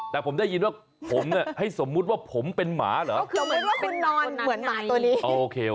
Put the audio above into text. แต่ผมได้ยินว่าผมให้สมมุติว่าผมเป็นหมาเหรอ